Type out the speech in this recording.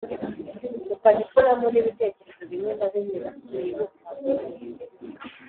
ukajya ushyiramo n’ibitekerezo bimwe na bimwe bacyibuka